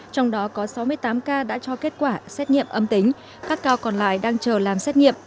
trong đó có sáu mươi tám ca đã cho kết quả xét nghiệm âm tính các ca còn lại đang chờ làm xét nghiệm